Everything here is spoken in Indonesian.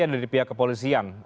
ada dari pihak kepolisian